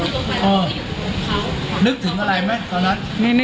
นึกถึงอะไรไหมตอนนั้น